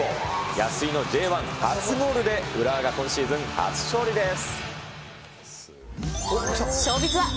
安居のＪ１初ゴールで浦和が今シーズン、初勝利です。